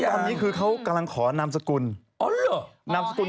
ไม่ตอนนี้คือเขากำลังขอนามสกุล